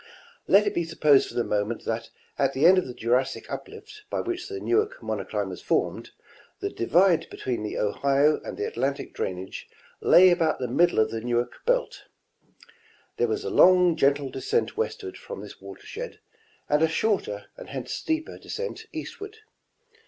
Let it be supposed for the moment that at the end of the Jurassic uplift by which the Newark monocline was formed, the divide between the Ohio and the Atlantic drainage lay about the middle of the Newark belt. There was a long gentle descent westward from this watershed and a shoi'ter and hence steeper descent east ward.